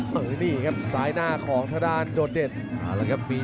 โห้ยลีครับสายหน้าของทดาเฝนโดดเดชน์